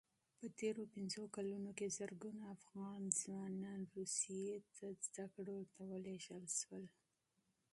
په تېرو پنځو کلونو کې زرګونه افغان ځوانان روسیې ته زدکړو ته ولېږل شول.